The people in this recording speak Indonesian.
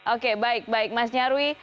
oke baik baik mas nyarwi